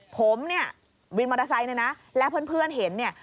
ผมเนี่ยวินมอเตอร์ไซค์เนี่ยนะและเพื่อนเห็นเนี่ย